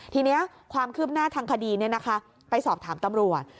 ทีนี้ความคืบหน้าทางคดีไปสอบถามตำรวจ